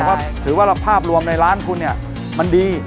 เพราะถือว่าภาพรวมในร้านคุณเนี่ยมันดี